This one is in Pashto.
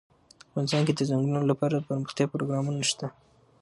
افغانستان کې د چنګلونه لپاره دپرمختیا پروګرامونه شته.